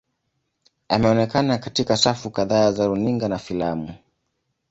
Ameonekana katika safu kadhaa za runinga na filamu.